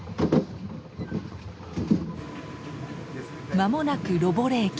間もなくロボレ駅。